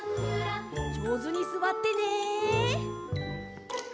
じょうずにすわってね！